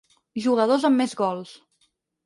Jugadors amb més gols.